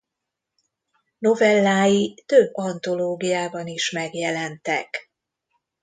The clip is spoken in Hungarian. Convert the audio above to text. Novellái több antológiában is megjelentek.